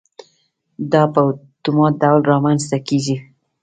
دا په اتومات ډول رامنځته کېږي.